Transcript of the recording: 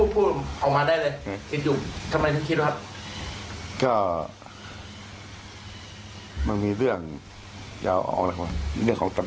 พูดออกมาได้เลยคิดอยู่ทำไมคิดดูครับ